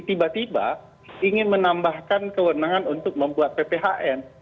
tiba tiba ingin menambahkan kewenangan untuk membuat pphn